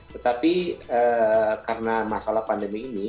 tetapi karena masalah pandemi ini